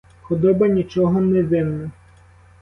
Худоба нічого не винна.